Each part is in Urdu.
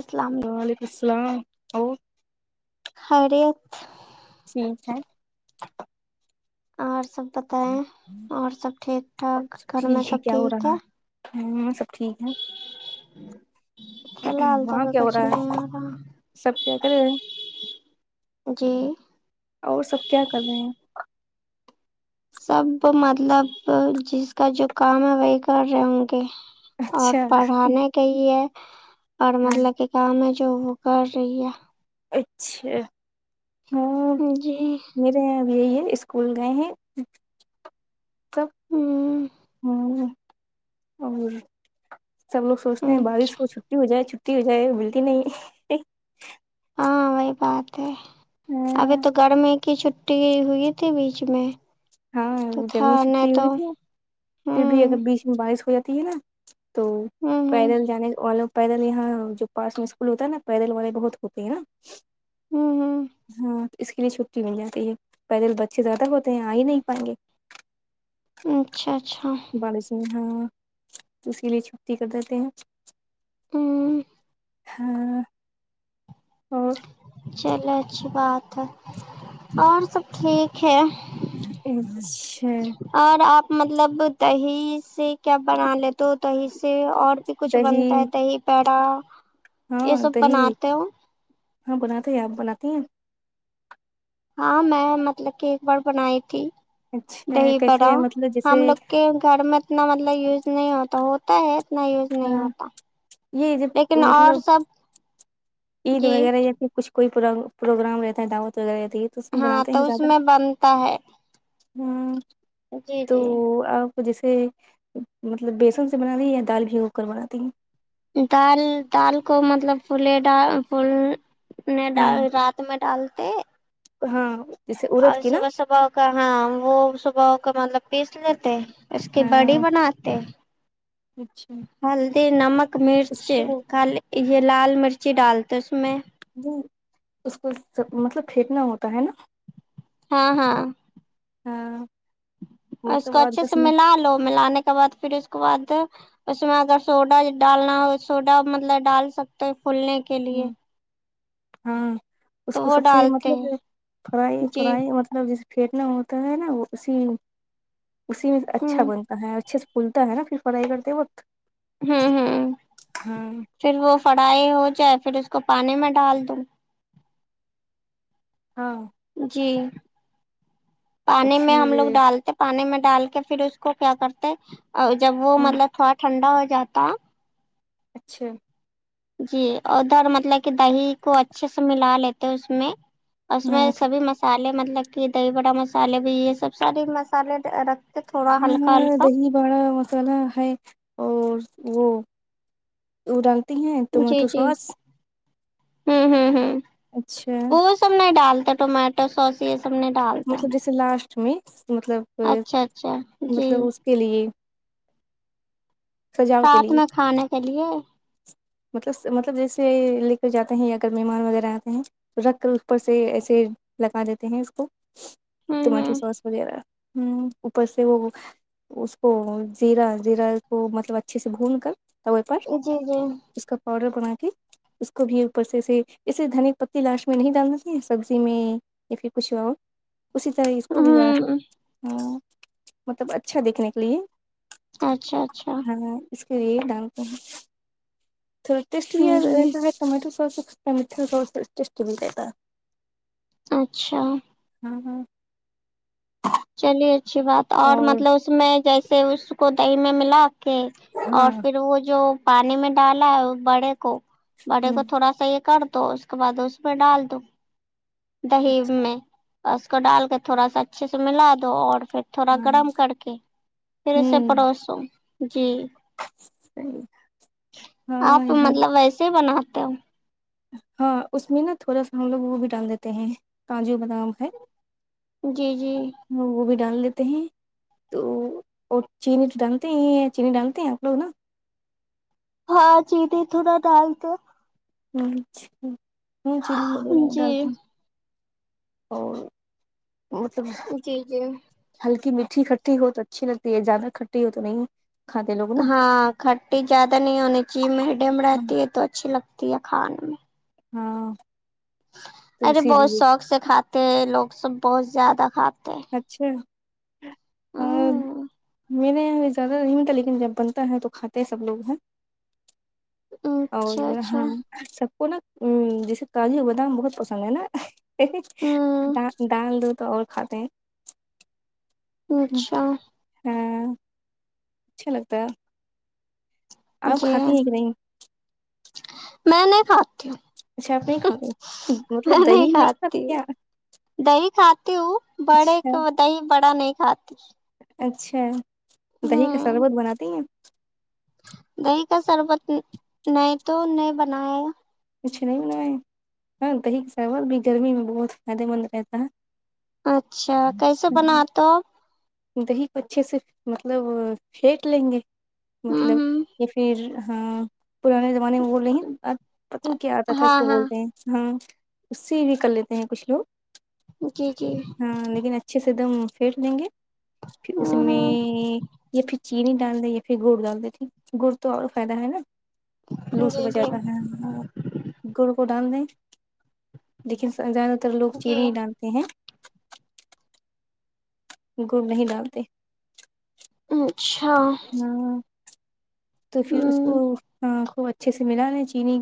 اسلام ولیکم سلام اور خیریت [unintelligible] اور سب بتائیں اور سب ٹھیک ٹھاک گھر میں سب ٹھیک ہے ہمم سب ٹھیک ہے فی الحال وہاں کیا ہو کچھ رہا ہے نہیں آ رہا سب کیا کرے ہیں جی اور سب کیا کر رہے ہیں سب مطلب جس کا جو کام ہے وہی کر رہے ہوں گے اور اچھا پڑھانے گایئ ہے اور ہاں مطلب کہ کام ہے جو وہ کر رہی ہے اچھا جی اب یہی ہے اسکول گئے ہیں ہ [unintelligible] سب لوگ سوچتے ہیں بارش اچھا ہوں چھٹی ہو جائے چھٹی ہو جائے ملتی نہیں صحیح بات ہے ابھی ہاں تو گرمی کی چھٹی ہوئی تھی بیچ میں ہاں تو تھا گرمی نہیں چھٹی تو ہوئی تھی ہ پھر بھی اگر بیچ بارش ہو جاتی ہے نا تو ہ ہ پیدل جانے والو پیدل یہاں جو پاس میں اسکول ہوتا ہے نا پیدل والے بہت ہوتے ہیں نا آمہم ہاں تو اس کے لیے چھٹی مل جاتی ہے پیدل بچے زیادہ ہوتے ہیں آ ہی نہیں پائیں گے اچھا اچھا بارش میں ہاں اس کے لیے چھٹی کر دتے ہیں آمم ہاں اور چلو اچھی بات ہے اور سب ٹھیک ہے اچھے اور آپ مطلب دہی سے کیا بنا لے تو دہی سے سے اور بھی کچھ دہی بنتا ہے دہی بڑا ہاں دہی وہی ہاں بناتے ہیں آپ بناتی ہیں ہاں میں مطلب کہ ایک بار بنائی تھی اچھا دہی بڑا کیسے مطلب جیسے ہم لوگ کے گھر میں اتنا مطلب یوز نہیں ہوتا ہوتا ہے نہیں یوز نہیں ہوتا یہ جب لیکن اور مطلب سب عید جی وغیرہ یا پھر کچھ کوئی پر پروگرام رہتا ہے دعوت وغیرہ رہتی ہے تو اس میں ہاں بناتے تو اس میں بنتا ہے آمم جی تو جی اب تو جیسے مطلب بیسن سے بنالی یا دال بھگو کر بناتی ہیں دال دال کو مطلب فولے ڈال فول نے ہاں ڈال رات میں ڈالتے ہاں جیسے اور ارد کی نا صبح صبح کا ہاں وہ صبح کا مطلب ٹیسٹی رہتے ہے اس کی بڑی ہاں بناتے اچھا ہلدی نمک مرچ اس کو کالیک یے لال مرچی ڈالتے اس میں جی اس کو مطلب پھیٹنا ہوتا ہے نا ہاں ہاں ہاں اس کو مطلب آٹھ اچھے سے دس منٹ ملالو ملانے کے بعد فیر اس کے بعد اس میں اگر سوڈا ڈالنا ہو سوڈا مطلب ڈال سکتے ہے فولنے آمم ہاں اس تو کو وہ سب سے ڈالتے مطلب ہیں فرائی جی فرائی مطلب مطلب جسے پھیٹنا ہوتا ہے نا وہ اسی اسی میں اچھا ہوں بنتا ہے اچھے سے پھلتا ہے نا پھر فرائی کرتے وقت ہوں ہوں ہمم پھر وہ فڑائی ہو جائے پھر اس کو پانی میں ڈال دوں ہاں جی پانی میں ہم پھر لوگ ڈالتے پانی میں ڈال کے فیر اس کو کیا کرتے جب وہ ہ مطلب تھوڑا ٹھنڈا ہو جاتا اچھا جی ادھر مطلب کی دہی کو اچھے سے ملا لیتے اس میں اس میں ہاں سبھی مسالے مطلب کی دہی بڑا مسالے بھی یے سب ساری مسالے رکھ ہاں دہی باڑا مسالا ہے اور وہ وہ ڈالتی ہیں ٹمیٹو سوس ہمہمہم اچھا تم نہیں ڈالتے ٹومیٹو سوس یے سب نہیں ڈالتے ٹومیٹکس مطلب اچھا اچھا جی مطلب اس کے لیے سجاؤ کے ساتھ لیے میں کھانے کے لیے مطلب مطلب جیسے لے کر جاتے ہیں یا اگر مہمان وغیرہ آتے ہیں رکھ کر اس اپر سے ایسے لگا دیتے ہیں اس کو ہوں ٹمیٹو ہوں سوس وغیرہ ہمم اپر سے وہ اس کو زیرہ زیرہ کو مطلب اچھے سے بھون کر توے پر جی جی اس کا پاؤڈر بنا کے اس کو بھی اوپر سے اسے دھنیا پتی لاشٹ میں نہیں ڈالنی چاہئے سبزی میں یا فیر کچھ ہو اسی طرح اس کو بگاڑ ہوں ہا مطلب اچھا دیکھنے کے لیے اچھا اچھا ہاں اس پر یے ڈال تے ہے تو پھر ٹیسٹ نہیں جی آتا ہے ٹمیٹو ساس [inaudible] ٹیسٹ نہیں دیتا اچھا ہاں ہاں چلئے اچھی بات اور مطلب اس میں جیسے اس وس کو دہی میں ملا کے ہاں اور فر وہ جو پانی میں ڈالا ہےوہ بڑے کو بڑے ہ کو تھوڑا سا یے کر دو اس کے بعد اس میں ڈال دو دہی اچھا میں اس کو ڈال کے تھوڑا سا اچھے سے ملا دو اور فیر تھوڑا ہاں گڈم کر کے پھر اسے ہوں پڈو سو جی صحیح آپ ہاں ہاں مطلب ویسے ہی بناتے ہو ہاں اس میں نا تھوڑا سا مطلب وہ بھی ڈال دیتے ہیں کانجو بادام ہے جی جی وہ وہ بھی ڈال لیتے ہیں تو اور چینی تو ڈالتے ہی ہیں چینی ڈالتے ہیں آپ لوگ نا ہاں چینی تھوڑا ڈالتے اچھا ہاں چلی وغیرہ جی ڈالتے اور مطلب جی جی ہلکی مٹھی کھٹی ہو تو اچھی لگتی ہے زیادہ کھٹی ہو تو نہیں کھاتے لوگ نا ہاں کھٹی جیادہ نہیں ہونی چاہیے میڈم ہاں رہتی ہے تو اچھی لگتی ہے کھانے میں ہاں تو ارے اسی بہت لیے سوق سے کھاتے ہیں لوگ سب بہت زیادہ کھاتے ہیں اچھا آ ہمم میرے یہاں بھی زیادہ نہیں انتا لیکن جب بنتا ہے تو کھاتے سب لوگ ہیں آ اچھا اور اچھا ہاں سب کو نا جیسے کاجو بادام بہت پسند ہے نا ہمم دال دال دو تو اور کھاتے ہیں اچھا ہاں اچھا لگتا ہے آپ جی ہاں کھاتی ہیں کہ نہیں میں نہیں کھاتی ہوں اچھا آپ نہیں کھاتے میں مطلب دہی ہی نہیں کھاتے کھاتی کیا ہوں دہی کھاتی ہوں بڑے اچھا کے دہی بڑا نہیں کھاتی اچھا دہی کا ہمم سربت بناتی ہیں دہی کا سربت نہیں تو نہیں بنایا کچھ نہیں بناے ہاں دہی کا سربت بھی گرمی میں بہت فائدے مند رہتا ہے اچھا کیسے بناتے ہو آپ دہی کو اچھے سے مطلب پھینٹ لیں گے ہمم مطلب ہمم یا فیر ہاں پرانے زمانے میں وہ نہیں اب پتن کیا آتا تھا اس ہاں کو ہاں بولتے ہیں ہمم اس سے بھی کر لیتے ہیں کچھ لوگ جی جی ہاں لیکن اچھے سے ایک دم پھیٹ لیں گے پھر اس میں ہمم یا پھر چینی ڈال دیں یا پھر گڑ ڈال دیں گڑ تو اور فائدہ ہے نہ لو ہمم سے جی جی بچاتا ہے گڑ کو ڈال دیں لیکن زیادہ تر لوگ چینی جی ڈالتے ہیں گڑ نہیں ڈالتے اچھا ہاں تو فیر اس کو ہمم ہاں خوب اچھے سے ملالے چینی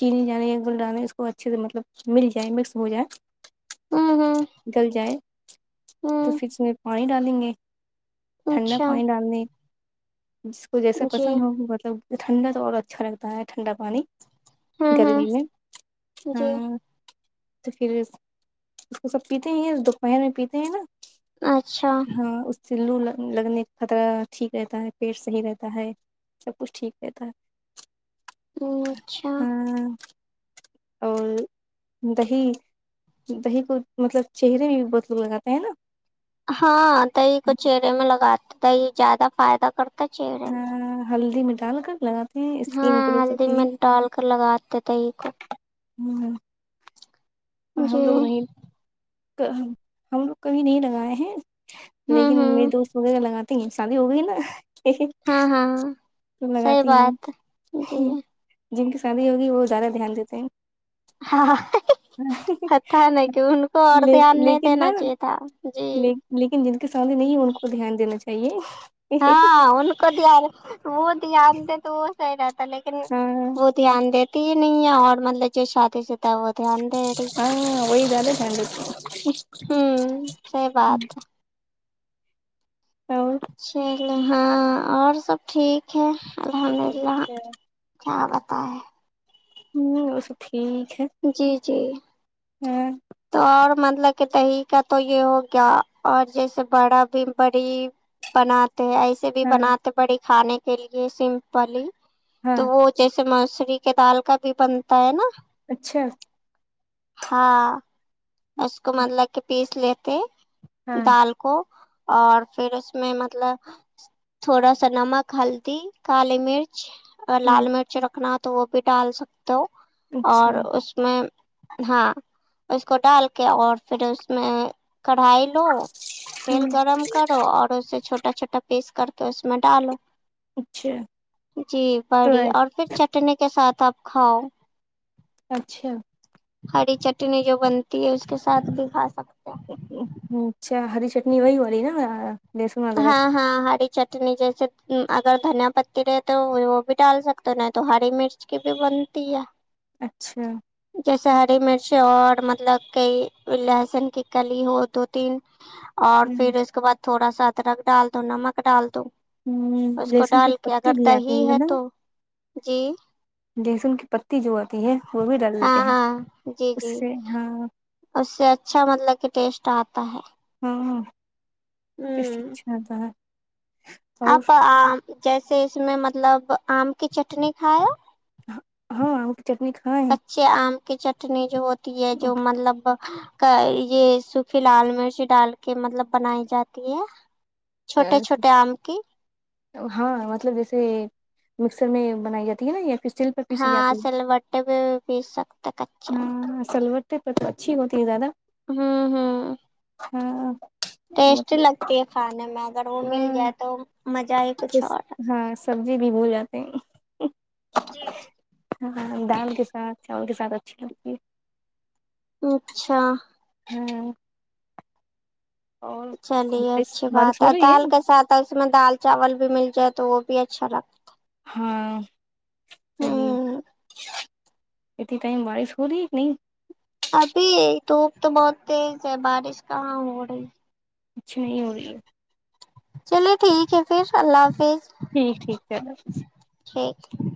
چینی ڈالے یا گل ڈالے اس کو اچھے سے مطلب مل جائے مکس ہو جائے ہمم ہمم گل جائے تو ہمم فیر اس میں پانی ڈالیں گے ٹھنڈا اچھا پانی ڈالنے جس کو جیسا جی پسند ہو مطلب ٹھنڈا تو اور اچھا لگتا ہے ٹھنڈا پانی ہوں ہوں گرمی میں جی ہاں تو فیر اس کو سب پیتے ہیں دوپہر میں پیتے ہیں نا اچھا ہاں اس سےلو لگنے کا خطرہ ٹھیک رہتا ہے پیٹ صحیح رہتا ہے سب کچھ ٹھیک رہتا ہے اچھا آمم اور دہی دہی کو مطلب چہرے بھی بہت لوگ لگاتے ہیں نا ہاں دہی کو چہرے میں لگات دہی زیادہ فائدہ کرت ہاں ہاں ہلدی میں ڈال کر لگاتے ہیں اسکن گلو ہاں ہلدی کرتی میں ہے ڈال کر لگاتے تے دہی کو آمم ہم جی لوگ نہیں تو ہم لوگ کبھی نہیں لگائے ہیں لیکن ہوں میے ہوں دوست وغیرہ لگاتے ہیں شادی ہو گئی نا تو ہاں ہاں فیر صحیح لگاتے ہی بات جی ہیں جن کی شادی ہوگی وہ زیادہ دھیان دیتے ہیں ہاں ہا تھانئی کی ان کو اور دھیان نہیں لیکن نا دینا چاہیے تھا جی لیکن جن کے سامنے نہیں ہے ان کو دھیان دینا چاہیے ہاں ان کو دھیان وہ دھیان دے تو وہ صحیح رہتا لیکن لیکن ہاں وہ دھیان دیتی ہی نہیں ہے اور مطلب جو شادی شدہ وہ دھیان دے رہی [inaudible] ہوں صحیح بات ہے اور چلیے ہاں اور سب ٹھیک ہے الحمد للہ ہ کیا بتائیں ہم بھی ویسے ٹھیک ہے جی جی اور تو اور مطلب کہ دہی کا تو یے ہو گیا اور جیسے بڑا بھی بڑی بناتے ہیں ایسے بھی ہاں بناتے بڑی کھانے کے لیے سمپلی ہاں تو وہ جیسے موسوری کے دال کا بھی بنتا ہے نا اچھا ہاں اس کو مطلب کی پیس لیتے ہاں دال کو اور فیر اس میں مطلب تھوڑا سا نمک ہلدی کالی مرچ اور ہ لال مرچ رکھنا ہے تو وہ بھی ڈال سکتے ہو اچھا اور ہ اس میں ہاں اس کو ڈال کے اور فیر اس میں کڑھائی لو تیل گرم کرو اور اسے چھوٹا چھوٹا پیس کر کے اس میں ڈالو اچھا جی تو بڑی اور فیر چٹنی کے ساتھ آپ کھاؤ اچھا ہری چٹنی جو بنتی ہے اس کے ساتھ بھی کھا سکتے ہیں اچھا ہری چٹنی وہی والی نا لہسن ہاں ادرک ہاں ہاری چٹ ٹنی جیسے اگر دھنیا پتی رہے تو وہ بھی ڈال سکتے ہو نہیں تو ہری مرچ اس کی بھی بنتی ہے اچھا جیسے ہری مرچ اور مطلب کے لہسن کی کلی ہو دو تین اور ہ فیر اس کے بعد تھوڑا سا ادرک ڈال دو نمک ڈال دو ہ اس کو لہسن کی ڈال کے پتی اگر بھی دہی آتی ہے نا تو جی لہسن کی پتی جو آتی ہے وہ بھی ڈال دیتے ہاں ہیں ہاں جی اس جی سے ہاں اس سے اچھا مطلب کی ٹیسٹ آتا ہے ہاں ٹیسٹ ہوں اچھا اتا ہے اور آپ آ جیسے اس میں مطلب آم کی چٹنی کھایا ہا ہاں آم کی چٹنی کھا کچے آم کی چٹنی جو ہوتی ہے جو مطلب کا یے سوکھی لال مرچ ڈال کے مطلب بنائی جاتی ہے چھوٹے چھوٹے [unintelligible] آم کی ہاں مطلب جیسے مکسر میں بنائی جاتی ہے نا یا پھر اسٹیل پیسی ہاں جاتی سلوٹے پہ بھی پیس سکتے کچا ہاں سلوٹ صرف اچھی ہوتی ہے زیادہ ہوں ہوں ہاں ٹیسٹی مطلب لگتی ہے کھانے میں اگر وہ مل ہاں جائے تو مجہ ہی تو کچھ اور ہے ہاں سبزی بھی بھول جاتے ہیں جی جی ہاں دال کے ساتھ چاول کے ساتھ اچھی لگتی ہے اچھا ہاں اور چلیے بارش اچھی بات بارش ہو ہے رہی دال کے ساتھ اس میں دال چاول بھی مل جائے تو وہ بھی اچھا لگتا ہاں صحیح ہوں [inaudible] ابھی دھوپ تو بہت تیز ہے بارش کہاں ہو رہی کچھ نہیں ہو رہی ہے چلے ٹھیک ہے پھر اللہ حافظ ٹھیک ٹھیک چلو ٹھیک ہے